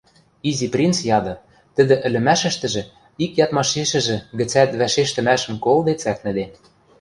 — Изи принц яды, тӹдӹ ӹлӹмӓшӹштӹжӹ ик ядмашешӹжӹ гӹцӓт вӓшештӹмӓшӹм колде цӓкнӹде.